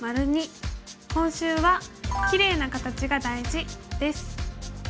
今週は「キレイな形が大事」です。